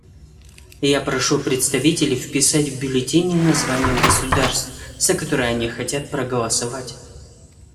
Я прошу представителей вписать в бюллетени названия государств, за которые они хотят проголосовать.